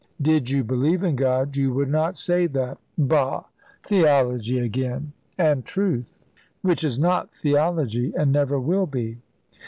"Did you believe in God you would not say that." "Bah! Theology again." "And truth." "Which is not theology and never will be."